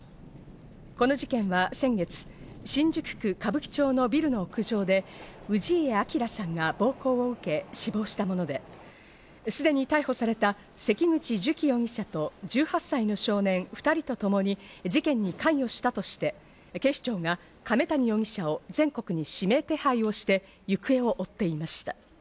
この事件は先月、新宿区歌舞伎町のビルの屋上で氏家彰さんが暴行を受け死亡したもので、すでに逮捕された関口寿喜容疑者と１８歳の少年２人とともに事件に関与したとして、警視庁が亀谷容疑者を全国に指名手配をして行方を追っていました。